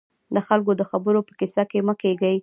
د خلکو د خبرو په کيسه کې مه کېږئ.